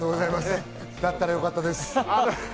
だったらよかったです。